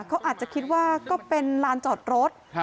เขาอาจจะคิดว่าก็เป็นลานจอดรถ